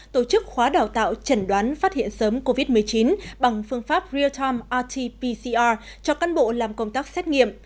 tổ chức khóa đào tạo chẩn đoán phát hiện sớm covid một mươi chín bằng phương pháp real time rt pcr cho căn bộ làm công tác xét nghiệm